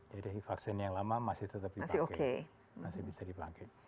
jadi vaksin yang lama masih tetap bisa dipakai